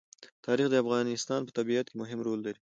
تاریخ د افغانستان په طبیعت کې مهم رول لري.